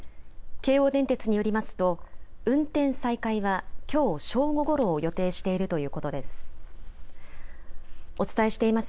京王電鉄によりますと運転再開はきょう正午ごろを予定しているということです。